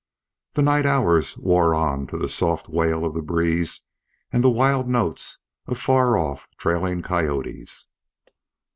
The night hours wore on to the soft wail of the breeze and the wild notes of far off trailing coyotes.